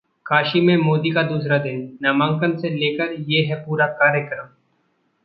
काशी में मोदी का दूसरा दिन, नामांकन से लेकर ये है पूरा कार्यक्रम